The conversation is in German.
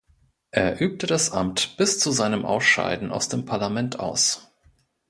Er übte das Amt bis zu seinem Ausscheiden aus dem Parlament aus.